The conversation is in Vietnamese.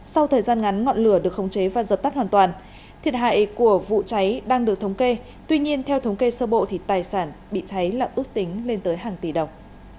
sau thời gian ngắn ngọn lửa được khống chế và giật tắt hoàn toàn thiệt hại của vụ cháy đang được thống kê tuy nhiên theo thống kê sơ bộ thì tài sản bị cháy là ước tính lên tới hàng tỷ đồng